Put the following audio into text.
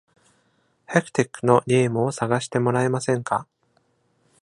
Hectic のゲームを探してもらえませんか？